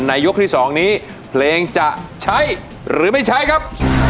ยกที่๒นี้เพลงจะใช้หรือไม่ใช้ครับ